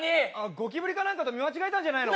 ゴキブリと見間違えたんじゃないの？